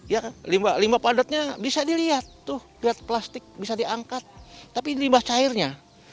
ya limbah padatnya bisa dilihat tuh lihat plastik bisa diangkat tapi ini limbah cairnya